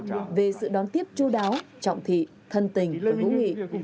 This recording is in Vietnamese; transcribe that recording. tổng bí thư nguyễn phú trọng về sự đón tiếp chú đáo trọng thị thân tình và vũ nghị